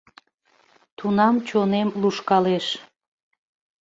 Тунам чонем лушкалеш.